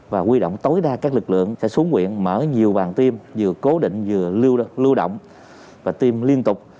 và quy động tối đa các lực lượng sẽ xuống nguyện mở nhiều bàn tiêm vừa cố định vừa lưu động và tiêm liên tục